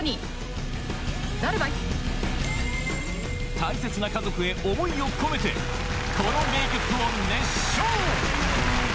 大切な家族へ思いを込めてこの名曲を熱唱！